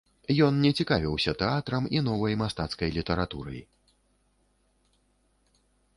Ён не цікавіўся тэатрам і новай мастацкай літаратурай.